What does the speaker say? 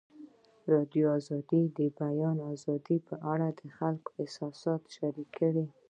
ازادي راډیو د د بیان آزادي په اړه د خلکو احساسات شریک کړي.